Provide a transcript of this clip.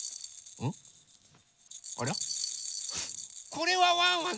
これはワンワン